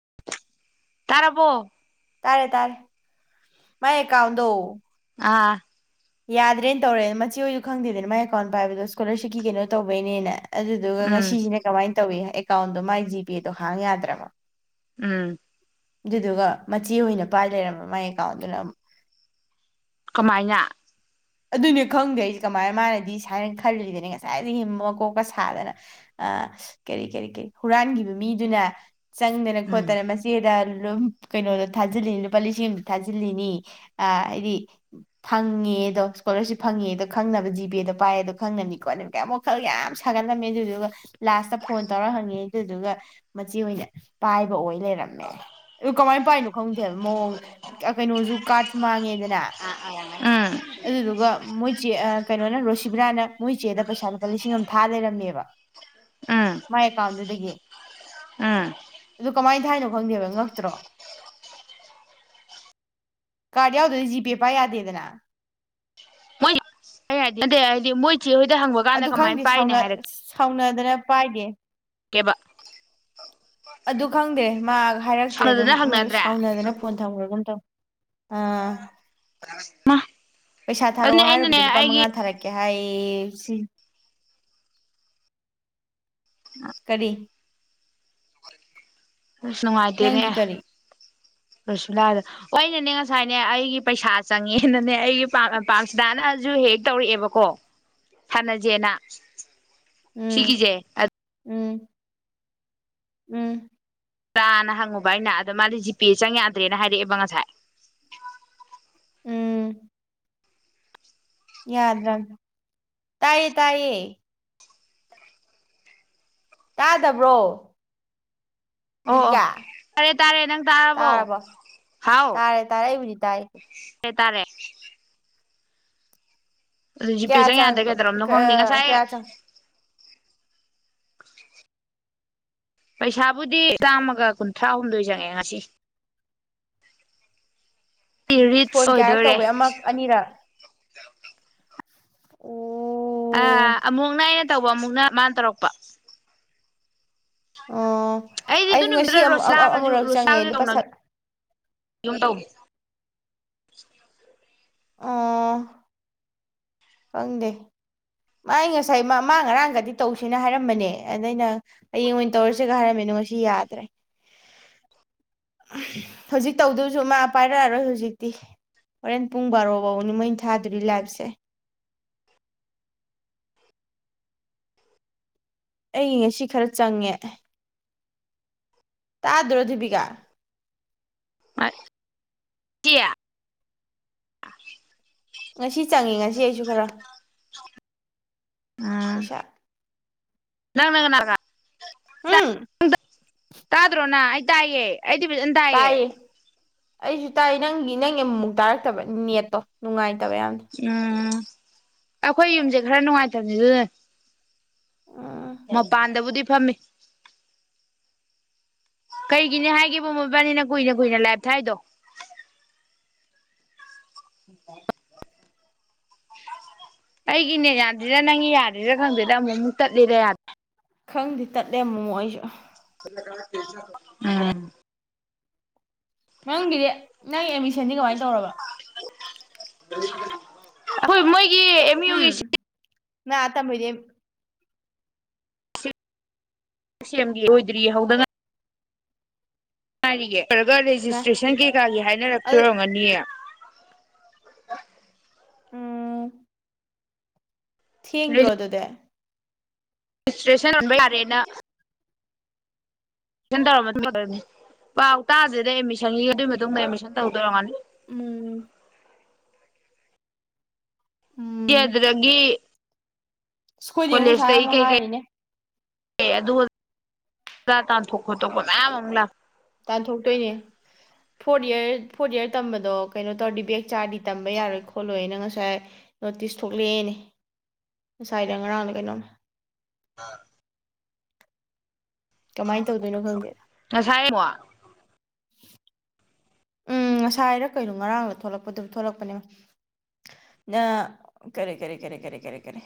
[inaudible] ꯇꯥꯔꯕꯣ ꯇꯥꯔꯦ ꯇꯥꯔꯦ ꯃꯥꯏ ꯑꯦꯀꯥꯎꯟꯗꯣ ꯑꯥ ꯌꯥꯗ꯭ꯔꯦꯅ ꯇꯧꯔꯦ ꯃꯆꯦ ꯑꯣꯏꯁꯨ ꯈꯪꯗꯦꯗꯅꯦ ꯃꯥꯏ ꯑꯦꯀꯥꯎꯟ ꯄꯥꯏꯕꯗꯣ ꯁ꯭ꯀꯣꯂꯔꯁꯤꯞꯀꯤ ꯀꯩꯅꯣ ꯇꯧꯕꯩꯅꯦꯅꯥ ꯑꯗꯨꯗꯨꯒ ꯎꯝ ꯉꯁꯤꯁꯤꯅ ꯀꯃꯥꯏꯅ ꯇꯧꯏꯤ ꯍꯥꯏ ꯑꯦꯀꯥꯎꯟꯗꯣ ꯃꯥꯏ ꯖꯤꯄꯦꯗꯣ ꯍꯥꯡ ꯌꯥꯗ꯭ꯔꯕ ꯎꯝ ꯑꯗꯨꯗꯨꯒ ꯃꯆꯦ ꯑꯣꯏꯅ ꯄꯥꯏ ꯂꯩꯔꯝꯝꯕ ꯃꯥꯏ ꯑꯦꯀꯥꯎꯟꯗꯨꯅ ꯑꯝ ꯀꯃꯥꯏꯅ ꯑꯗꯨꯅꯦ ꯈꯪꯗꯦ ꯍꯥꯏꯁꯦ ꯀꯃꯥꯏꯅ ꯃꯥꯅꯗꯤ ꯁꯥꯏꯅ ꯈꯜꯂꯤꯕꯅꯦ ꯉꯁꯥꯏꯗꯒꯤ ꯃꯀꯣꯛꯀ ꯁꯥꯗꯅ ꯑ ꯀꯔꯤ ꯀꯔꯤ ꯀꯔꯤ ꯍꯨꯔꯥꯟꯒꯤꯕ ꯃꯤꯗꯨꯅ ꯆꯪ ꯗꯅ ꯎꯝ ꯈꯣꯠꯇꯅ ꯃꯆꯦꯗ ꯑꯗꯨꯝ ꯀꯩꯅꯣꯗꯣ ꯊꯥꯖꯤꯜꯂꯤꯅꯤ ꯂꯨꯄꯥ ꯂꯤꯁꯤꯡ ꯑꯃ ꯊꯥꯖꯤꯜꯂꯤꯅꯤ ꯑ ꯍꯥꯏꯗꯤ ꯐꯪꯉꯦ ꯗꯣ ꯏꯁꯀꯣꯂꯔꯁꯤꯞ ꯐꯪꯉꯦꯗꯣ ꯈꯪꯅꯕ ꯖꯤꯄꯦꯗꯣ ꯄꯥꯏꯌꯦꯗꯣ ꯈꯪꯅꯕꯅꯤꯀꯣ ꯀꯌꯥꯝ ꯃꯨꯛ ꯋꯥꯈꯜ ꯌꯥꯝ ꯁꯥꯒꯠꯂꯝꯃꯦ ꯑꯗꯨꯗꯨꯒ ꯂꯥꯁꯇ ꯐꯣꯟ ꯇꯧꯔ ꯍꯪꯉꯦ ꯑꯗꯨꯗꯨꯒ ꯃꯆꯦ ꯑꯣꯏꯅ ꯄꯥꯏ ꯑꯣꯏ ꯂꯩꯔꯝꯃꯦ ꯑꯗꯨ ꯀꯃꯥꯏꯅ ꯄꯥꯏꯅꯣ ꯈꯪꯗꯦꯕ ꯃꯑꯣꯡ ꯑ ꯀꯩꯅꯣ ꯀꯥꯔꯗꯁꯨ ꯃꯥꯡꯉꯦꯗꯅ ꯎꯝ ꯑꯗꯨꯗꯨꯒ ꯃꯣꯏ ꯆꯦ ꯑ ꯀꯩꯅꯣꯅ ꯔꯣꯁꯤꯕꯤꯅꯥꯅ ꯃꯣꯏ ꯆꯦꯗ ꯄꯩꯁꯥ ꯂꯨꯄꯥ ꯂꯤꯁꯤꯡ ꯑꯃ ꯊꯥ ꯂꯩꯔꯝꯃꯦꯕ ꯎꯝ ꯃꯥꯏ ꯑꯦꯀꯥꯎꯟꯗꯨꯗꯒꯤ ꯎꯝ ꯑꯗꯨ ꯀꯃꯥꯏ ꯊꯥꯏꯅꯣ ꯈꯪꯗꯦꯕ ꯉꯛꯇ꯭ꯔꯣ ꯀꯥꯔꯗ ꯌꯥꯎꯗ꯭ꯔꯗꯤ ꯖꯤꯄꯦ ꯄꯥꯏ ꯌꯥꯗꯦꯗꯅ ꯃꯣꯏ ꯑꯩꯅ ꯍꯥꯢꯗꯤ ꯅꯠꯇꯦ ꯍꯥꯢꯔꯗꯤ ꯃꯣꯏ ꯆꯦ ꯍꯣꯏꯗ ꯍꯪꯕ ꯀꯥꯟꯗ ꯀꯃꯥꯏꯅ ꯄꯥꯏꯅꯦ ꯍꯥꯏꯔꯛꯀꯦ ꯈꯔ ꯄꯥꯏꯗꯦ ꯀꯦꯕ ꯑꯗꯨ ꯈꯪꯗꯦ ꯃꯥ ꯍꯥꯏꯔꯛꯇ꯭ꯔꯦ ꯑꯗꯨꯝ ꯁꯥꯎꯅꯗꯅ ꯃꯣꯏ ꯍꯪꯅꯗ꯭ꯔꯦ ꯁꯥꯎꯅꯗꯅ ꯐꯣꯟ ꯊꯝꯒ꯭ꯔꯒꯨꯝ ꯇꯧ ꯑꯥ [unintelligible] ꯄꯩꯁꯥ ꯊꯥꯔꯛꯑꯣ ꯑꯗꯨꯅꯦ ꯑꯩꯅꯅꯦ ꯍꯥꯏꯔꯨꯕꯗ ꯂꯨꯄꯥ ꯑꯩꯒꯤ ꯃꯉꯥ ꯊꯥꯔꯛꯀꯦ ꯍꯥꯏꯌꯦ ꯑꯦꯁꯤ ꯀꯔꯤ ꯑꯁ ꯅꯨꯡꯉꯥꯏꯇꯦꯅꯦ ꯅꯪꯒꯤ ꯀꯔꯤ ꯀꯁꯨꯂꯥꯗ ꯑꯩꯅꯅꯦ ꯉꯁꯥꯏꯅꯦ ꯑꯩꯒꯤ ꯄꯩꯁꯥ ꯆꯪꯉꯛꯑꯦꯅꯅꯦ ꯑꯩꯒꯤ ꯄꯥꯛ ꯄꯥꯛꯁꯤꯗꯥꯅꯁꯨ ꯍꯦꯛ ꯇꯧꯔꯛꯑꯦꯕꯀꯣ ꯁꯥꯟꯅꯁꯦꯅ ꯎꯝ ꯁꯤꯒꯤꯖꯦ ꯑ ꯎꯝ ꯎꯝ ꯇ꯭ꯔꯥꯅ ꯍꯪꯉꯨꯕ ꯑꯩꯅ ꯑꯗꯣ ꯃꯥꯗꯤ ꯖꯤꯄꯦ ꯆꯪ ꯌꯥꯗ꯭ꯔꯦꯅ ꯍꯥꯏꯔꯛꯑꯦꯕ ꯉꯁꯥꯏ ꯎꯝ ꯌꯥꯗ꯭ꯔꯝꯅꯦ ꯇꯥꯏꯌꯦ ꯇꯥꯏꯌꯦ ꯇꯥꯗꯕ꯭ꯔꯣ ꯑꯣ ꯑꯣ ꯗꯤꯕꯤꯀꯥ ꯇꯥꯔꯦ ꯇꯥꯔꯦ ꯅꯪ ꯇꯥꯔꯕꯣ ꯍꯥꯎ ꯇꯥꯔꯦ ꯇꯥꯔꯦ ꯑꯩꯕꯨꯗꯤ ꯇꯥꯏ ꯇꯥꯔꯦ ꯇꯥꯔꯦ ꯑꯗꯨ ꯖꯤꯄꯦ ꯀꯌꯥ ꯆꯪ ꯌꯥꯗ꯭ꯔꯦ ꯆꯪꯉꯛꯄ ꯀꯩꯗꯧꯔꯝꯅꯣ ꯈꯪꯗꯦ ꯀꯑ ꯉꯁꯥꯏ ꯀꯌꯥ ꯆꯪ ꯄꯩꯁꯥꯕꯨꯗꯤ ꯆꯥꯝꯃꯒ ꯀꯨꯟꯊ꯭ꯔꯥꯍꯨꯝꯗꯣꯏ ꯆꯪꯉꯦ ꯉꯁꯤ ꯐꯣꯟ ꯔꯤꯠꯁ ꯀꯌꯥꯔꯛ ꯑꯣꯏꯗꯣꯔꯦ ꯇꯧꯕꯩ ꯑꯃ ꯑꯅꯤꯔꯛ [unintelligible] ꯑꯣ ꯑꯥ ꯑꯃꯨꯛꯅ ꯑꯩꯅ ꯇꯧꯕ ꯑꯃꯨꯛꯅ ꯃꯥꯅ ꯇꯧꯔꯛꯄ ꯑꯣ ꯑꯩꯗꯤ ꯑꯗꯨ ꯑꯩꯁꯨ ꯉꯁꯤ ꯅꯨꯃꯤꯠꯇꯨꯗ ꯑꯃ ꯑꯃꯨꯔꯛ ꯆꯪꯉꯦ ꯂꯨꯄꯥ ꯁꯚꯦ ꯑꯗꯨꯨꯝ ꯇꯧꯕ ꯑꯣ ꯈꯪꯗꯦ ꯃꯥꯥꯏ ꯉꯁꯥꯏ ꯃꯥ ꯉꯔꯥꯡꯒꯗꯤ ꯇꯧꯁꯦꯅ ꯍꯥꯏꯔꯝꯕꯅꯦ ꯑꯗꯩ ꯑꯩꯅ ꯍꯌꯦꯡ ꯑꯣꯏꯅ ꯇꯧꯔꯁꯤꯒ ꯍꯥꯏꯔꯝꯃꯤꯗꯣ ꯉꯁꯤ ꯌꯥꯗ꯭ꯔꯦ ꯍꯧꯖꯤꯛ ꯇꯧꯗꯣꯁꯨ ꯃꯥ ꯄꯥꯏꯔꯛꯑꯔꯣꯏ ꯍꯧꯖꯤꯛꯇꯤ ꯍꯣꯔꯦꯟ ꯄꯨꯡ ꯕꯥꯔꯣꯐꯧꯅꯤ ꯃꯣꯏ ꯊꯥꯗꯧꯔꯤ ꯂꯥꯏꯕꯁꯦ ꯑꯩ ꯉꯁꯤ ꯈꯔ ꯆꯪꯉꯦ ꯇꯗ꯭ꯔꯣ ꯗꯤꯕꯤꯀꯥ [inaudible] ꯇꯤ [inaudible] ꯉꯁꯤ ꯆꯪꯉꯤ ꯉꯁꯤ ꯑꯩꯁꯨ ꯈꯔ [inaudible] ꯑꯥ ꯄꯩꯁꯥ ꯅꯪꯪꯪꯅ ꯀꯅꯥ [unintelligible] ꯎꯝ [unintelligible] ꯇꯥꯗ꯭ꯔꯣ ꯅ ꯇꯥꯌꯦ ꯑꯩꯗꯤ ꯐꯖꯟ ꯇꯥꯏꯌꯦ ꯑꯩꯁꯨ ꯇꯥꯏ ꯅꯪꯒꯤ ꯅꯪꯒꯤ ꯑꯃꯃꯨꯛ ꯇꯥꯔꯛꯇꯕ ꯅꯦꯠꯇꯣ ꯅꯨꯡꯉꯥꯏ ꯅꯥ ꯑꯩꯈꯣꯏ ꯌꯨꯝꯁꯦ ꯈꯔ ꯅꯨꯡꯉꯥꯏꯇꯕꯅꯤ ꯑꯗꯨꯅꯅꯦ [unintelligible] ꯃꯄꯥꯟꯗꯕꯨꯗꯤ ꯐꯝꯃꯤ ꯀꯩꯒꯤꯅꯤ ꯍꯥꯏꯒꯦꯕ ꯃꯣꯏꯕꯥꯅꯤꯅ ꯀꯨꯏꯅ ꯀꯨꯏꯅ ꯂꯥꯏꯞ ꯊꯥꯏꯗꯣ [inaudible] ꯑꯩꯒꯤ ꯅꯦꯠ ꯌꯥꯗ꯭ꯔꯤꯔꯥ ꯅꯪꯒꯤ ꯌꯥꯗ꯭ꯔꯤꯔꯥ ꯈꯪꯗꯦꯗ ꯑꯃꯨꯛ ꯑꯃꯨꯛ ꯇꯠꯂꯤꯗ ꯌꯥꯗ꯭ꯔꯦ ꯈꯪꯗꯤ ꯇꯠꯂꯦ ꯑꯃꯨꯃꯨ ꯑꯩꯁꯨ [inaudible] ꯎꯝ ꯅꯪꯒꯤꯗꯤ ꯅꯪ ꯑꯦꯃꯤꯁꯟꯗꯤ ꯀꯃꯥꯏ ꯇꯧꯔꯕ ꯑꯈꯣꯏ ꯃꯣꯏ ꯎꯝ ꯅ ꯑꯥ ꯇꯝꯃꯣꯏꯗꯤ ꯁꯤ ꯑꯦꯝꯒꯤ ꯂꯣꯏꯗ꯭ꯔꯤ ꯍꯧꯗ ꯉꯥꯏ ꯇꯥꯔꯤꯌꯦ ꯅꯇ꯭ꯔꯒ ꯃꯥ ꯔꯦꯖꯤꯁꯇ꯭ꯔꯦꯁꯟ ꯀꯩꯀꯥꯒꯤ ꯍꯥꯏꯅꯔꯛꯇꯣꯏ ꯑꯗꯨ ꯑꯣꯏꯔꯝꯒꯅꯤꯌꯦ ꯎꯝ ꯊꯦꯡꯗ꯭ꯔꯣ ꯑꯗꯨꯗꯤ [unintelligible] [unintelligible] ꯄꯥꯎ ꯇꯥꯗ꯭ꯔꯦꯗ ꯑꯦꯗꯃꯤꯁꯟꯒꯤꯒ ꯑꯗꯨꯒꯤ ꯃꯇꯨꯡꯗ ꯑꯦꯗꯃꯤꯁꯟ ꯇꯧꯗꯧ ꯑꯣꯏꯔꯝꯒꯅꯤ ꯎꯝ [unintelligible] ꯎꯝ ꯗ꯭ꯔꯒꯤ ꯑꯩꯈꯣꯏꯗꯤ ꯑꯃꯨꯛ ꯁꯥꯏꯅ ꯑꯃꯨꯛ ꯍꯥꯏꯔꯤꯅꯦ ꯑꯦ ꯑꯗꯨꯒ ꯇꯥꯟꯊꯣꯛ ꯈꯣꯇꯣꯛꯄ ꯃꯌꯥꯝ ꯑꯃꯨꯛ ꯂꯥꯛ ꯇꯥꯟꯊꯣꯛꯇꯣꯏꯅꯦ ꯐꯣꯔꯠ ꯌꯔ ꯐꯣꯔꯠ ꯌꯔ ꯇꯝꯕꯗꯣ ꯀꯩꯅꯣ ꯇꯧꯔꯗꯤ ꯕꯦꯛ ꯆꯥꯔꯗꯤ ꯇꯝꯕ ꯌꯥꯔꯣꯏ ꯈꯣꯠꯂꯣꯏꯅ ꯉꯁꯥꯏ ꯅꯣꯇꯤꯁ ꯊꯣꯛꯂꯛꯑꯦꯅꯦ ꯉꯁꯥꯏꯗ ꯉꯔꯥꯡꯂ ꯀꯩꯅꯣꯝꯃ [inaudible] ꯀꯃꯥꯏꯅ ꯇꯧꯗꯣꯏꯅꯣ ꯈꯪꯗꯦ ꯉꯁꯥꯏ ꯑꯃꯨꯛ ꯎꯝ ꯉꯁꯥꯏꯔ ꯀꯩꯅꯣ ꯉꯔꯥꯡꯂ ꯊꯣꯛꯂꯛꯄꯗꯨ ꯊꯣꯛꯂꯛꯄꯅꯦ ꯅ ꯀꯔꯤ ꯀꯔꯤ ꯀꯔꯤ ꯀꯔꯤ ꯀꯔꯤ ꯀꯔꯤ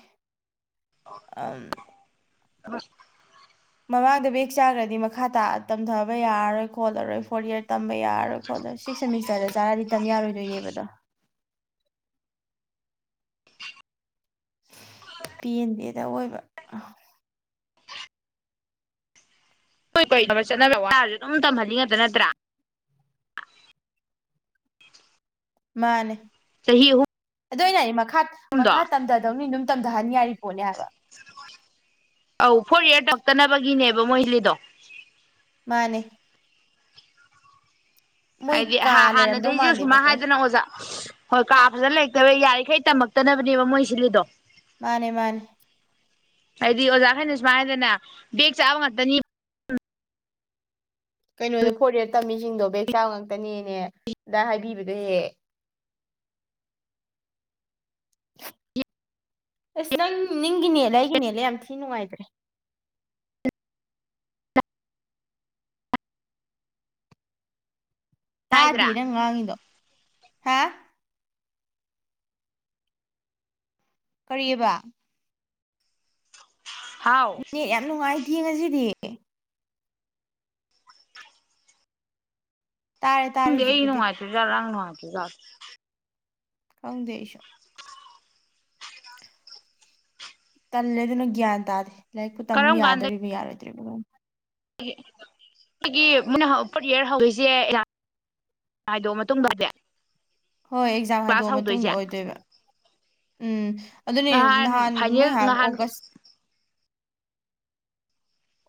ꯑꯝ ꯃꯃꯥꯡꯗ ꯕꯦꯛ ꯆꯥꯈ꯭ꯔꯗꯤ ꯃꯈꯥ ꯇꯥ ꯇꯝꯊꯕ ꯌꯥꯔꯔꯣꯏ ꯈꯣꯜꯂꯔꯣꯏ ꯐꯣꯔꯠ ꯌꯔ ꯇꯝ ꯇꯝꯕ ꯌꯥꯔꯣꯏ ꯈꯣꯠꯂꯣꯢ ꯁꯤꯛꯁ ꯁꯦꯃꯤꯁꯇꯔꯗ ꯆꯥꯔꯗꯤ ꯇꯝꯕ ꯌꯥꯔꯣꯏꯗꯣꯏꯅꯦꯕ ꯑꯗꯣ ꯄꯦꯟꯗꯦ ꯇ ꯑꯣꯏꯕ [unintelligible] ꯑꯗꯨꯝ ꯇꯝꯍꯜꯂꯤ ꯉꯥꯛꯇ ꯅꯠꯇ꯭ꯔ ꯃꯥꯅꯦ ꯆꯍꯤ ꯑꯍꯨꯝ ꯑꯗꯨ ꯑꯩꯅ ꯍꯥꯏꯗꯤ ꯃꯛ ꯃꯈꯥ ꯃꯈꯥ ꯇꯝꯊꯗꯧꯅꯤ ꯗꯨꯝ ꯇꯝꯊꯍꯟ ꯌꯥꯔꯤꯄꯣꯠꯅꯤ ꯍꯥꯏꯕ ꯑꯧ ꯐꯣꯔꯠ ꯌꯥꯔ ꯇꯛꯇꯅꯕꯒꯤꯅꯦꯕ ꯃꯣꯏ ꯏꯂꯤꯗꯣ ꯃꯥꯅꯦ ꯃꯣꯏ ꯍꯥꯏꯗꯤ ꯀꯥ ꯍ ꯂꯩꯔꯝꯗꯧ ꯍꯥꯟꯅꯗꯩꯁꯨ ꯃꯥꯟꯗꯦ ꯁꯨꯃꯥ ꯐꯖꯅ ꯍꯥꯏꯗꯅ ꯑꯣꯖꯥ ꯍꯣꯏ ꯀꯥ ꯐꯖꯟ ꯂꯩ ꯌꯥꯔꯤꯈꯩ ꯇꯝꯃꯛꯇꯅꯕꯅꯦꯕ ꯃꯣꯏ ꯁꯤꯜꯂꯤꯗꯣ ꯃꯥꯅꯦ ꯃꯥꯅꯦ ꯍꯥꯏꯗꯤ ꯑꯣꯖꯥꯈꯩꯅ ꯁꯨꯃꯥꯏꯅ ꯍꯥꯏꯗꯅ ꯕꯦꯛ ꯆꯥꯕ ꯉꯥꯛꯇꯅꯤ ꯀꯩꯅꯣꯗ ꯐꯣꯔꯠ ꯇꯝꯃꯤꯁꯤꯡꯗꯣ ꯕꯦꯛ ꯆꯥꯕ ꯉꯥꯛꯇꯅꯦꯅꯦ ꯗꯥꯏ ꯍꯥꯏꯕꯤꯕꯗꯣ ꯍꯦꯛ ꯍꯦꯛ ꯑꯁ ꯅꯪ ꯅꯤꯡꯒꯤ ꯅꯦꯠꯂ ꯑꯩꯒꯤ ꯅꯦꯠꯂ ꯌꯥꯝ ꯊꯤ ꯅꯨꯡꯉꯥꯏꯇ꯭ꯔꯦ ꯍꯥꯏꯗ꯭ꯔꯥ ꯇꯥꯗꯤꯌꯦ ꯅꯪ ꯉꯥꯡꯉꯤꯗꯣ ꯍꯥ ꯀꯔꯤꯑꯕ ꯍꯥꯎ ꯅꯦꯠ ꯌꯥꯝ ꯅꯨꯡꯉꯥꯏ ꯌꯦꯡꯉꯁꯤꯗꯤ ꯇꯥꯔꯦ ꯇꯥꯔꯦ ꯈꯪꯗꯦ ꯑꯩꯒꯤ ꯍꯧꯖꯤꯛꯄꯨꯗꯤ ꯅꯨꯡꯉꯥꯏꯇ꯭ꯔꯤꯖꯥꯠꯂ [unintelligible] [inaudible] ꯈꯪꯗꯦ ꯑꯩꯁꯨ ꯇꯜꯂꯦ ꯑꯗꯨꯅ ꯒ꯭ꯌꯥꯟ ꯇꯥꯗꯦ ꯂꯥꯏꯔꯤꯛꯄꯨ ꯇꯝ ꯌꯥꯗꯧꯔꯤꯕꯥ ꯌꯥꯔꯣꯏ ꯀꯩꯕꯨꯅꯣ ꯁꯤꯒꯤ ꯃꯣꯏꯅ ꯐꯣ꯭ꯔꯠꯌꯔ ꯍꯧꯗꯣꯢꯁꯦ ꯑꯦꯛꯖꯥꯝ ꯍꯥꯏꯗꯣꯛꯑ ꯃꯇꯨꯡꯗ ꯍꯣꯏ ꯑꯦꯛꯖꯥꯝ ꯍꯥꯏꯗꯣꯛꯑ ꯃꯇꯨꯡꯗ ꯑꯣꯏꯗꯣꯏꯕ ꯎꯝ ꯑꯗꯨꯅꯦ ꯅꯍꯥꯟ ꯃꯣꯏ ꯐꯥꯏꯅꯦꯜ ꯍꯥꯢꯗꯣ ꯅꯍꯥꯟ ꯑꯣꯒꯁ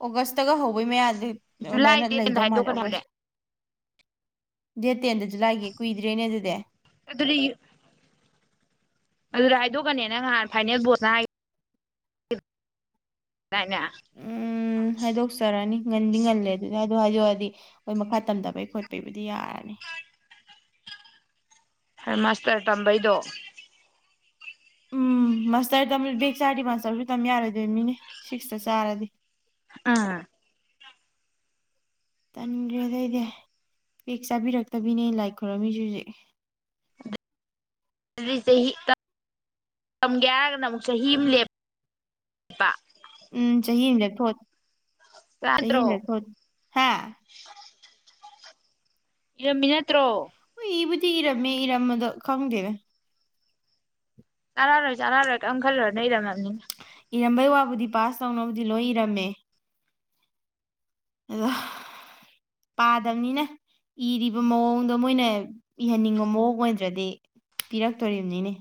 ꯑꯣꯒꯁꯇꯒ ꯍꯧꯕꯩ ꯃꯌꯥꯅꯤ ꯖꯨꯂꯥꯏ ꯑꯗꯨꯃꯥꯏꯅ ꯗꯦꯠ ꯇꯦꯟꯗ ꯂꯩꯗꯧ ꯃꯥꯜꯂꯦ ꯍꯥꯏꯗꯣꯛꯀꯅꯤ ꯍꯥꯏꯕꯅꯦ ꯑꯣꯒꯁ ꯗꯦꯠ ꯇꯦꯟꯗ ꯖꯨꯂꯥꯏꯒꯤ ꯀꯨꯏꯗ꯭ꯔꯦꯅꯦ ꯑꯗꯨꯗꯤ ꯑꯗꯨꯗꯤ ꯑꯗꯨꯗ ꯍꯥꯏꯗꯣꯛꯀꯅꯦ ꯉꯥꯍꯥꯟ ꯐꯥꯏꯅꯦꯜ ꯕꯣꯔꯠꯅ ꯍꯥꯏ ꯍꯥꯏꯗꯥꯏꯅꯦ ꯎꯝ ꯍꯥꯏꯗꯣꯛꯆꯔꯅꯤ ꯉꯟꯗꯤ ꯉꯜꯂꯦ ꯑꯗꯨꯗꯤ ꯑꯗꯨ ꯍꯥꯏꯗꯣ ꯍꯥꯏꯗꯣꯛꯑꯗꯤ ꯍꯣꯏ ꯃꯈꯥ ꯇꯝꯊꯕꯩ ꯈꯣꯠꯄꯩꯕꯨꯗꯤ ꯌꯥꯔꯅꯤ ꯍꯔ ꯃꯥꯁꯇꯔ ꯇꯝꯕꯩꯗꯣ ꯎꯝ ꯃꯥꯁꯇꯔ ꯇꯝꯕꯗ ꯕꯦꯛ ꯆꯥꯔꯗꯤ ꯃꯥꯁꯇꯔꯁꯨ ꯇꯝ ꯌꯥꯔꯣꯏꯗꯣꯏ ꯃꯤꯅꯦ ꯁꯤꯛꯁꯇ ꯆꯥꯔꯗꯤ ꯑꯥ ꯇꯟꯈ꯭ꯔꯦꯗ ꯑꯩꯗꯤ ꯕꯦꯛ ꯆꯥꯕꯤꯔꯛꯇꯕꯤꯅꯦ ꯑꯩꯅ ꯂꯥꯏ ꯈꯣꯏꯔꯝꯃꯤꯁꯤ ꯍꯧꯖꯤꯛ ꯑꯗꯨꯗꯤ ꯆꯍꯤ ꯇꯝꯒꯦ ꯍꯥꯏꯔꯒꯅ ꯑꯃꯨꯛ ꯆꯍꯤ ꯑꯃ ꯂꯦꯞꯄ ꯊꯣꯠ ꯆꯍꯤꯅ ꯆꯥꯗ꯭ꯔꯣ ꯊꯣꯠ ꯍꯥ ꯏꯔꯝꯃꯤ ꯅꯠꯇ꯭ꯔꯣ ꯍꯣꯢ ꯏꯕꯨꯗꯤ ꯏꯔꯝꯃꯦ ꯏꯔꯝꯕꯗꯣ ꯈꯪꯗꯦꯅꯦ ꯆꯥꯔꯛꯑꯔꯣꯏ ꯆꯥꯔꯛꯑꯔꯣꯢ ꯀꯦꯝ ꯈꯜꯂꯨꯔꯥꯂꯨ ꯢꯔꯝꯃꯥꯕꯅꯤꯅ ꯏꯔꯝꯕꯩ ꯋꯥꯕꯨꯗꯤ ꯄꯥꯁ ꯇꯧꯅꯕꯗꯤ ꯂꯣꯏ ꯏꯔꯝꯃꯦ ꯑꯗꯣ ꯄꯥꯗꯕꯅꯤꯅ ꯏꯔꯤꯕ ꯃꯑꯣꯡꯗꯣ ꯃꯣꯏꯅ ꯏꯍꯟꯅꯤꯡꯕ ꯃꯑꯣꯡ ꯑꯣꯏꯗ꯭ꯔꯗꯤ ꯄꯤꯔꯛꯇꯣꯔꯤꯕꯅꯤꯅꯦ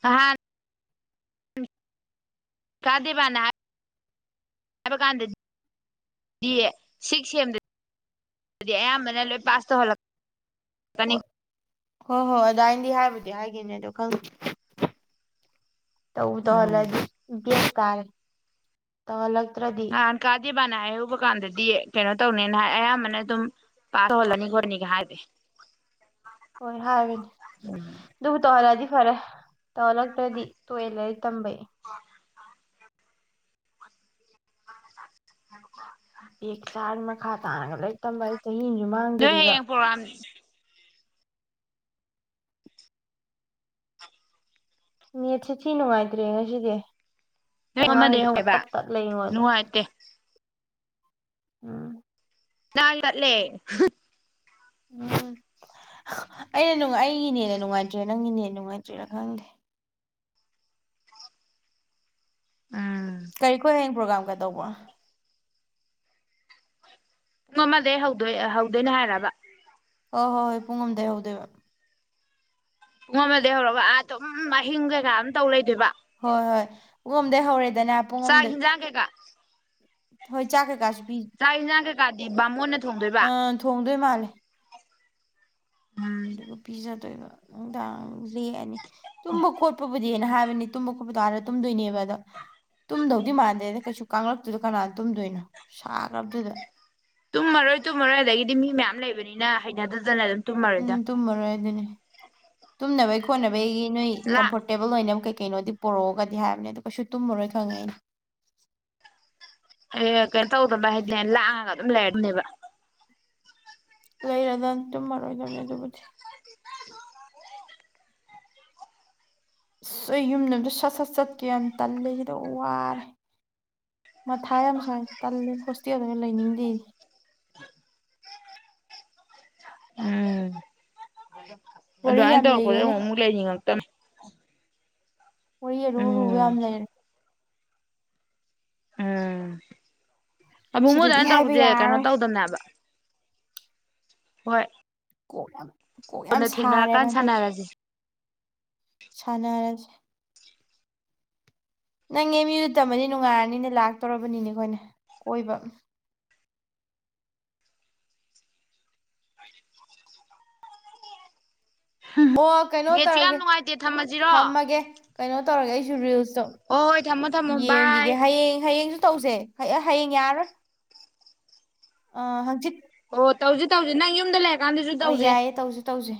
ꯉꯥꯍꯟ ꯥꯀꯥ ꯗꯦꯕꯥꯟꯅ ꯍꯥꯏꯕ ꯀꯥꯟꯗꯗꯤ ꯁꯤꯛꯁ ꯁꯦꯝꯗꯗꯤ ꯑꯌꯥꯝꯕꯅ ꯂꯣꯏ ꯄꯥꯁ ꯇꯧꯍꯜꯂꯛ ꯑꯣꯠ ꯍꯣꯢ ꯍꯣꯢ ꯑꯗꯥꯏꯅꯗꯤ ꯍꯥꯏꯕꯨꯗꯤ ꯍꯥꯏꯒꯤꯕꯅꯦ ꯑꯗꯣ ꯈꯪ ꯇꯧꯕꯨ ꯎꯝ ꯍꯧꯍꯜꯂꯛꯑꯗꯤ ꯕꯦꯛ ꯇꯥꯔꯦ ꯇꯧꯍꯜꯂꯛ ꯉꯥꯍꯥꯟ ꯀꯥ ꯗꯤꯞ ꯏꯕꯥꯥꯟꯅ ꯍꯥꯏꯍꯧꯕ ꯀꯥꯟꯗꯗꯤ ꯀꯩꯅꯣ ꯇꯧꯅꯤꯅ ꯍꯥꯏ ꯑꯌꯥꯝꯕꯅ ꯑꯗꯨꯝ ꯄꯥꯁ ꯇꯧꯍꯜꯂꯅꯤ ꯈꯣꯠꯅꯤꯒ ꯍꯥꯏꯕꯅꯦ ꯍꯣꯏ ꯍꯥꯏꯕꯅꯦ ꯑꯗꯨꯕꯨ ꯇꯧꯍꯜꯂꯛꯑꯗꯤ ꯐꯔꯦ ꯇꯧꯍꯜꯂꯛꯇ꯭ꯔꯥꯗꯤ ꯇꯣꯛꯑꯦ ꯂꯥꯢꯔꯤꯛ ꯇꯝꯕꯩ ꯑꯍꯦꯎ ꯕꯦꯛ ꯆꯥꯔ ꯃꯈꯥ ꯇꯥꯅꯒ ꯂꯣꯢ ꯇꯝꯅꯩ ꯅꯣꯏ ꯍꯌꯦꯡ ꯄ꯭ꯔꯣꯒ꯭ꯔꯥꯝ ꯅꯦꯠꯁꯦ ꯊꯤ ꯅꯨꯡꯉꯥꯏꯇ꯭ꯔꯦꯠ ꯍ ꯁꯤꯗꯤ ꯑꯃꯗꯩ ꯍꯧꯅꯦꯕ ꯑꯩꯉꯣꯟꯗ ꯅꯨꯉꯥꯢꯇꯦ ꯎꯝ [unintelligible] ꯎꯝ ꯑꯩꯅ ꯑꯩꯒꯤ ꯅꯦꯠꯅ ꯅꯨꯡꯉꯥꯏꯇ꯭ꯔꯦ ꯅꯪꯒꯤ ꯅꯦꯠꯅ ꯅꯨꯡꯉꯥꯏꯇ꯭ꯔꯤꯔ ꯈꯪꯗꯦ ꯎꯝ ꯀꯗꯧꯕ ꯄꯨꯡ ꯑꯃꯗꯒꯤ ꯍꯧꯗꯣꯏ ꯍꯧꯗꯣꯏꯅꯦ ꯍꯥꯏꯔꯕ ꯍꯣꯏ ꯍꯣꯏ ꯍꯣꯏ ꯄꯨꯡ ꯑꯝꯗꯥꯏ ꯍꯧꯗꯣꯏꯕ ꯄꯨꯡ ꯑꯃꯗꯤ ꯍꯧꯔꯛꯒ ꯑꯥ ꯑꯗꯨꯝ ꯑꯍꯤꯡ ꯀꯩꯀꯥ ꯇꯧ ꯂꯩꯗꯣꯏꯕ ꯍꯣꯏ ꯍꯣꯏ [unintelligible] ꯒꯣꯝꯗꯩ ꯍꯧꯔꯦ ꯆꯥꯛ ꯌꯦꯟꯁꯥꯡ ꯀꯩꯀꯥ ꯍꯣꯏ ꯆꯥꯛ ꯀꯩꯀꯥꯁꯨ ꯄꯤ ꯆꯥꯛ ꯌꯦꯟꯁꯥꯡ ꯀꯩꯀꯥꯗꯤ ꯕꯥꯃꯣꯟꯅ ꯊꯣꯡꯗꯣꯏꯕ ꯑꯥ ꯊꯣꯡꯗꯣꯏ ꯃꯥꯜꯂꯦ ꯎꯝ ꯑꯗꯨꯒ ꯄꯤꯖꯗꯣꯏꯕ ꯅꯨꯡꯗꯥꯡ ꯂꯦꯛꯑꯅꯤ ꯇꯨꯝꯃ ꯀꯣꯠꯄꯕꯨꯗꯤ ꯑꯩꯅ ꯍꯥꯏ ꯍꯥꯏꯕꯅꯤ ꯇꯨꯝꯕ ꯈꯣꯠꯄ ꯑꯥꯗ ꯇꯨꯝꯗꯣꯏꯅꯦꯕ ꯑꯗ ꯇꯨꯝꯗꯧꯗꯤ ꯃꯥꯟꯗ꯭ꯔꯦꯗ ꯀꯩꯁꯨ ꯀꯥꯡꯂꯛꯇꯨꯗ ꯀꯅꯥꯅ ꯇꯨꯝꯗꯣꯏꯅꯣ ꯁꯥꯈ꯭ꯔꯕꯗꯨꯗ ꯇꯨꯝꯃꯔꯣꯏ ꯇꯨꯝꯃꯔꯣꯏ ꯑꯗꯒꯤꯗꯤ ꯃꯤ ꯃꯌꯥꯝ ꯂꯩꯕꯅꯤꯅ ꯍꯩꯅꯗꯗꯅ ꯑꯗꯨꯝ ꯎꯝ ꯇꯨꯝꯃꯔꯣꯏꯗ ꯇꯨꯝꯔꯣꯢ ꯑꯗꯨꯅꯤ ꯇꯨꯝꯅꯕꯩ ꯈꯣꯠꯅꯕꯩꯒꯤ ꯅꯣꯏ ꯂꯥꯛ ꯀꯝꯐꯣꯔꯇꯦꯕꯜ ꯑꯣꯏꯅꯕ ꯀꯩ ꯀꯩꯅꯣꯗꯤ ꯄꯨꯔꯛꯑꯣꯒꯗꯤ ꯍꯥꯏꯕꯅꯦ ꯑꯗꯨ ꯀꯩꯁꯨ ꯇꯨꯝꯃꯔꯣꯏ ꯈꯪꯉꯦ ꯑꯩꯅ ꯑꯦ ꯀꯩꯅꯣ ꯇꯧꯗꯕ ꯍꯥꯏꯗꯤꯅꯦ ꯂꯥꯡꯑꯒ ꯑꯗꯨꯝ ꯂꯩꯔꯗꯕꯅꯦꯕ ꯂꯩꯔꯗꯝ ꯇꯨꯝꯃꯔꯣꯏꯗꯕꯅꯦ ꯑꯗꯨꯕꯨꯗꯤ ꯑꯁ ꯑꯩ ꯌꯨꯝꯗ ꯑꯝꯇ ꯁꯠ ꯁꯠ ꯆꯠꯀꯦ ꯌꯥꯝ ꯇꯜꯂꯦ ꯁꯤꯗ ꯋꯥꯔꯦ ꯃꯊꯥ ꯌꯥꯝ ꯁꯥꯏ ꯇꯜꯂꯦ ꯍꯣꯁꯇꯦꯜꯗꯒ ꯂꯩꯅꯤꯡꯗꯦ ꯎꯝ ꯋꯥꯔꯤ ꯑꯗꯨꯃꯥꯢ ꯌꯥꯝ ꯇꯧꯔꯛꯄꯗꯨꯗ ꯂꯩꯔꯦꯅꯦ ꯑꯃꯨꯛ ꯂꯩꯅꯤꯉꯛꯇꯝꯅꯤ [inaudible] ꯋꯥꯔꯤ ꯑꯔꯨ ꯑꯔꯨꯕ ꯌꯥꯝ ꯂꯩꯔꯦ ꯑꯥꯥ ꯑꯗꯨ ꯃꯣꯏ ꯁꯤꯗꯗꯤ ꯑꯗꯨꯃꯥꯏꯅ ꯍꯥꯏꯕ ꯇꯧꯔꯛꯄꯁꯦ ꯀꯩꯅꯣ ꯌꯥꯔꯔꯣꯏ ꯇꯧꯗꯝꯅꯤ ꯍꯥꯢꯕ ꯍꯣꯏ ꯀꯣꯠ ꯀꯣꯅ ꯊꯦꯡꯅꯔꯀꯥꯟꯗ ꯁꯥꯟꯅꯔꯁꯦ ꯁꯅꯔꯖ ꯅꯪꯅꯦ ꯑꯦꯝ ꯌꯨꯗ ꯇꯝꯃꯅꯤ ꯅꯨꯡꯉꯥꯏꯔꯅꯤꯅꯦ ꯂꯥꯛꯇꯧꯔꯕꯅꯤꯅꯦ ꯑꯩꯈꯣꯏꯅ ꯀꯣꯏꯕ [unintelligible] ꯑꯣ ꯀꯩꯅꯣ ꯅꯦꯠꯁꯨ ꯌꯥꯝ ꯇꯧꯔꯒꯦ ꯅꯨꯡꯉꯥꯏꯇꯦ ꯊꯝꯃꯁꯤꯔꯣ ꯊꯝꯃꯒꯦ ꯀꯩꯅꯣ ꯇꯧꯔꯒꯦ ꯑꯩ [unintelligible] ꯆꯧ ꯍꯣꯏ ꯍꯣꯏ ꯊꯝꯃꯣ ꯊꯝꯃꯣ ꯕꯥꯏ ꯌꯦꯡꯒꯤꯒꯦ ꯍꯌꯦꯡ ꯍꯌꯦꯡꯁꯨ ꯇꯧꯁꯦ ꯍ ꯍꯌꯦꯡ ꯌꯥꯔꯔꯣꯏ ꯑ ꯍꯪꯆꯤꯠ ꯑꯣ ꯇꯧꯁꯤ ꯇꯧꯁꯤ ꯅꯪ ꯌꯨꯝꯗ ꯂꯩ ꯒꯥꯟꯗꯁꯨꯨ ꯍꯣꯏ ꯇꯧꯁꯦ ꯌꯥꯏꯌꯦ ꯇꯧꯁꯦ ꯇꯧꯁꯦ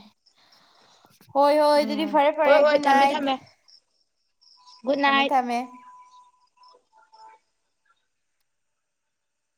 ꯍꯣꯏ ꯍꯣꯏ ꯑꯗꯨꯗꯤ ꯎꯝ ꯐꯔꯦ ꯍꯣꯏ ꯐꯔꯦ ꯍꯣꯏ ꯒꯨꯗ ꯊꯝꯃꯦ ꯅꯥꯏꯠ ꯊꯝꯃꯦ ꯒꯨꯗ ꯊꯝꯃꯦ ꯅꯥꯏꯠ ꯊꯝꯃꯦ